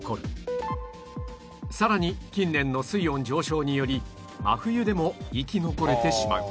さらに近年の水温上昇により真冬でも生き残れてしまう